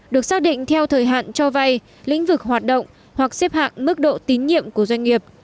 được xác định theo thời hạn cho vay lĩnh vực hoạt động hoặc xếp hạng mức độ tín nhiệm của doanh nghiệp